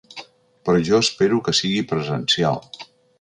Però jo espero que sigui presencial.